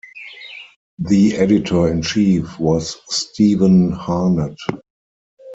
The editor-in-chief was Stevan Harnad.